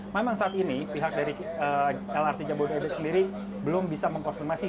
memang saat ini pihak dari lrt jabodebek sendiri belum bisa mengkonfirmasi